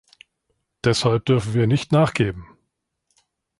Deshalb dürfen wir nicht nachgeben!